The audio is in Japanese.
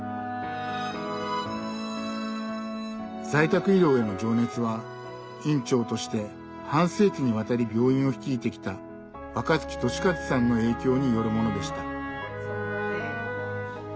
在宅医療への情熱は院長として半世紀にわたり病院を率いてきた若月俊一さんの影響によるものでした。